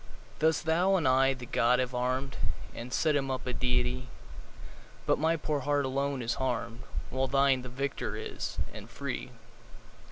Thus thou and I the god have arm'd And set him up a deity; But my poor heart alone is harm'd, 15 Whilst thine the victor is, and free!